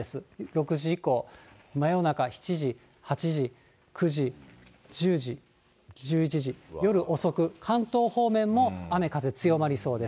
６時以降、真夜中７時、８時、９時、１０時、１１時、夜遅く、関東方面も雨風強まりそうです。